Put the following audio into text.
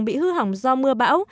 bị hư hỏng do mưa bão